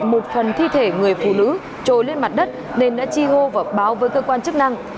một phần thi thể người phụ nữ trồi lên mặt đất nên đã chi hô và báo với cơ quan chức năng